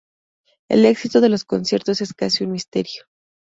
el éxito de los conciertos es casi un misterio